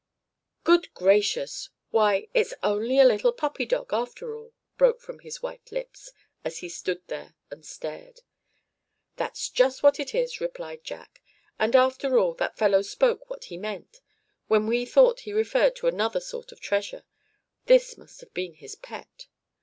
"Good gracious, why, it's only a little puppy dog after all!" broke from his white lips, as he stood there and stared. "That's just what it is," replied Jack. "And after all, that fellow spoke what he meant, when we thought he referred to another sort of treasure. This must have been his pet."